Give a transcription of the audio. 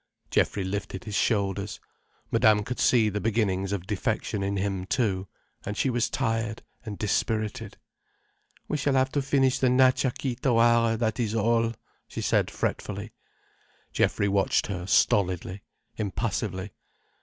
Geoffrey lifted his shoulders. Madame could see the beginnings of defection in him too. And she was tired and dispirited. "We shall have to finish the Natcha Kee Tawara, that is all," she said fretfully. Geoffrey watched her stolidly, impassively.